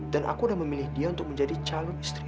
dan aku udah memilih dia untuk menjadi calon istri aku